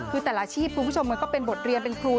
คือแต่ละอาชีพคุณผู้ชมมันก็เป็นบทเรียนเป็นครู